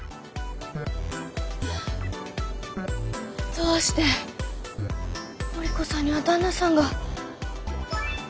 どうして織子さんには旦那さんが。